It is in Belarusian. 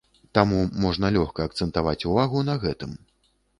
Таму можна лёгка акцэнтаваць увагу на гэтым.